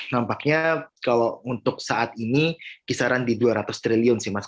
nampaknya kalau untuk saat ini kisaran di dua ratus triliun sih mas